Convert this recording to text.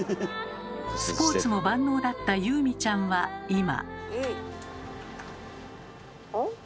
スポーツも万能だったゆうみちゃんは今。